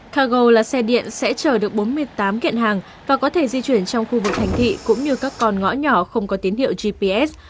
cargo là xe điện sẽ chở được bốn mươi tám kiện hàng và có thể di chuyển trong khu vực thành thị cũng như các con ngõ nhỏ không có tín hiệu gps